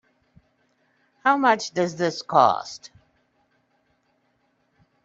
How much does this cost?